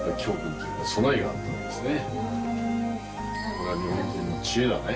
・これは日本人の知恵だね。